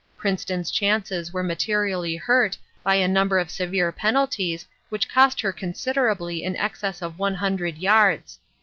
Princeton's chances were materially hurt by a number of severe penalties which cost her considerably in excess of one hundred yards.